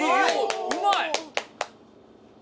うまい。